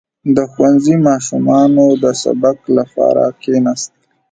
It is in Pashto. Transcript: • د ښوونځي ماشومانو د سبق لپاره کښېناستل.